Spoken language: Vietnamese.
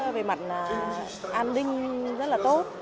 về mặt an ninh rất là tốt